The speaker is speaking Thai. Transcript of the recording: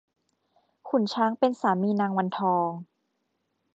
ขุนช้างเป็นสามีนางวันทอง